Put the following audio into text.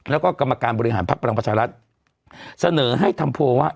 แล้วก็กำลักษณ์บริหารภาคพลังประชารัฐเสนอให้ทำโพว่า